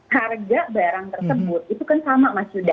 harga barang tersebut itu kan sama mas yuda